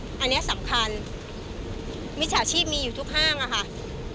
มิจฉาชีพมีอยู่ทุกห้างอ่ะค่ะ